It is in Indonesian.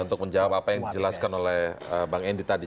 untuk menjawab apa yang dijelaskan oleh bang endy tadi